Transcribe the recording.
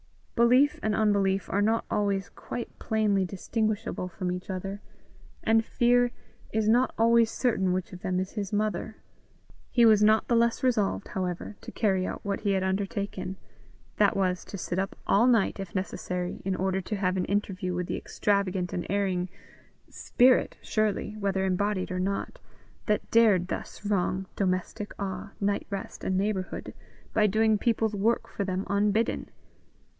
Belief and unbelief are not always quite plainly distinguishable from each other, and Fear is not always certain which of them is his mother. He was not the less resolved, however, to carry out what he had undertaken that was, to sit up all night, if necessary, in order to have an interview with the extravagant and erring spirit, surely, whether embodied or not, that dared thus wrong "domestic awe, night rest, and neighbourhood," by doing people's work for them unbidden.